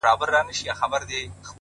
• لکه زرکه چي پر لاره سي روانه ,